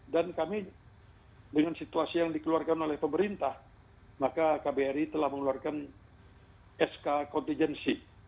dan kami dengan situasi yang dikeluarkan oleh pemerintah maka kbri telah mengeluarkan sk kontingensi